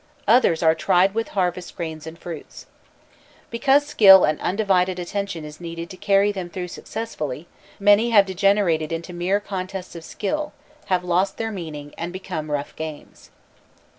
Others are tried with harvest grains and fruits. Because skill and undivided attention is needed to carry them through successfully, many have degenerated into mere contests of skill, have lost their meaning, and become rough games.